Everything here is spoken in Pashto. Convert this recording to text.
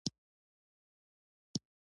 علم له خلکو متفکر انسانان جوړوي.